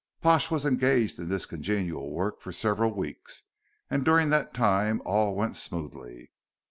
Pash was engaged in this congenial work for several weeks, and during that time all went smoothly.